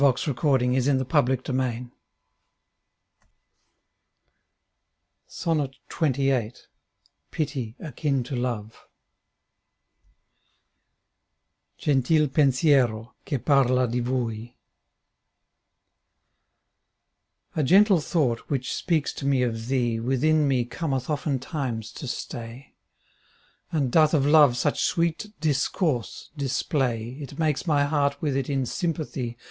So speaks my heart, and thereat sighs anew. SONNET XXVI II (i^ V.v J PITY AKIN TO LOVE Gentil pensiero, c/ie parla di vui A GENTLE thought, which speaks to me of thee, Within me cometh oftentimes to stay, And doth of Love such sweet discourse display, It makes my heart with it in sympathy.